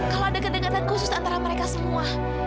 kalau ada kedekatan khusus antara mereka semua